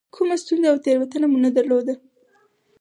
کومه ستونزه او تېروتنه مو نه درلوده.